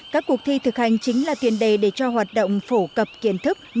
các cuộc thi thực hành chính là tiền đề để cho hoạt động phổ cập kiến thức